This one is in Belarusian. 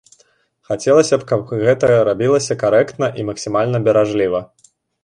Хацелася б, каб гэта рабілася карэктна і максімальна беражліва.